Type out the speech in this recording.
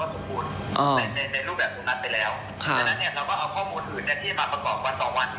เราก็เอาข้อมูลอื่นที่มาประกอบวันต่อวัน